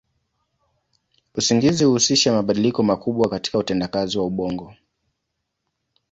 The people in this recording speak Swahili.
Usingizi huhusisha mabadiliko makubwa katika utendakazi wa ubongo.